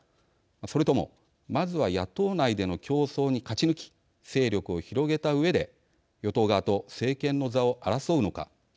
それとも、まずは野党内での競争に勝ち抜き勢力を広げたうえで与党側と政権の座を争うのか。